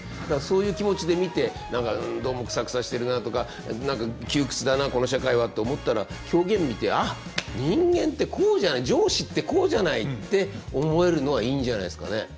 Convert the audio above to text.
だからそういう気持ちで見てどうもくさくさしてるなとか何か窮屈だなこの社会はと思ったら狂言見てああ人間ってこうじゃない上司ってこうじゃないって思えるのはいいんじゃないですかね。